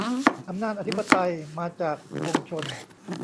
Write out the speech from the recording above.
อำนาจอธิปไตยมาจากปวงชน